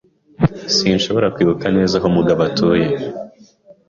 Sinshobora kwibuka neza aho Mugabo atuye.